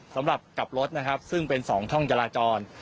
สำหรับกลับรถนะครับซึ่งเป็น๒ช่องจราจร